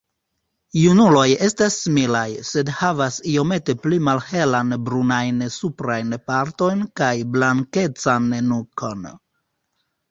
Junuloj estas similaj, sed havas iomete pli malhelan brunajn suprajn partojn kaj blankecan nukon.